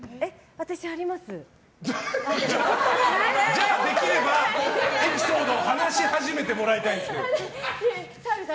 じゃあできればエピソードを話し始めてもらいたいんですが。